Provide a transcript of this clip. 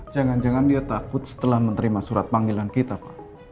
jangan jangan dia takut setelah menerima surat panggilan kita pak